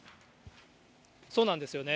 そうなんですよね。